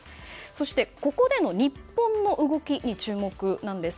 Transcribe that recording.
そして、ここでの日本の動きに注目なんです。